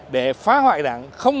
để phá hoại đảng